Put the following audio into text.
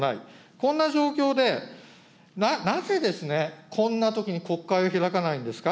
こんな状況で、なぜですね、こんなときに国会を開かないんですか。